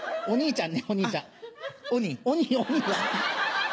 お兄ちゃん。